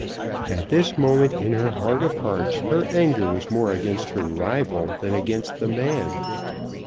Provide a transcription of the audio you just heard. At this moment in her heart of hearts her anger was more against her rival than against the man.